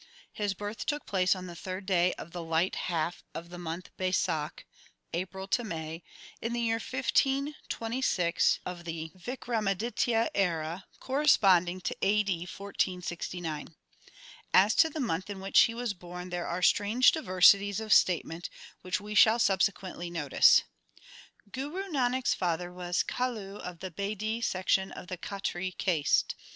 His birth took place on the third day of the light half of the month of Baisakh (April May) in the year 1526 of the Vikramaditya era, corresponding to A. D. 1469. As to the month in which he was born there are strange diversities of statement, which we shall subse quently notice. Guru Nanak s father was Kalu of the Bedi l section of the Khatri caste.